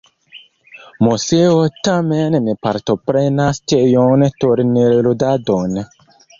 Moseo tamen ne partoprenas tiun turnirludadon.